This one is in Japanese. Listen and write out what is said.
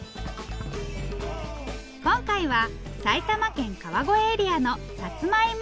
今回は埼玉県川越エリアのさつまいも。